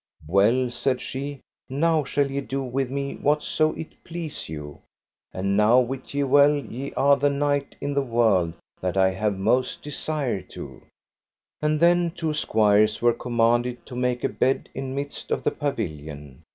Well, said she, now shall ye do with me whatso it please you; and now wit ye well ye are the knight in the world that I have most desire to. And then two squires were commanded to make a bed in midst of the pavilion.